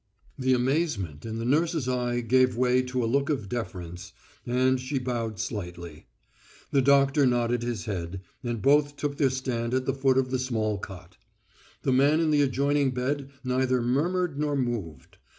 The amazement in the nurse's eye gave way to a look of deference, and she bowed slightly. The doctor nodded his head, and both took their stand at the foot of the small cot. The man in the adjoining bed neither murmured nor moved.